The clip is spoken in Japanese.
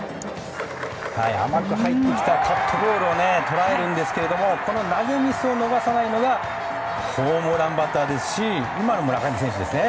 甘く入ってきたカットボールを捉えるんですけどもこの投げミスを逃さないのがホームランバッターですし今の村上選手ですね。